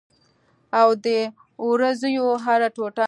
او د اوریځو هره ټوټه